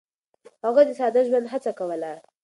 هغه د ساده ژوند هڅه کوله.